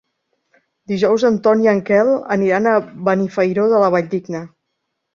Dijous en Ton i en Quel aniran a Benifairó de la Valldigna.